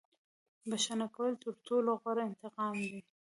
• بښنه کول تر ټولو غوره انتقام دی.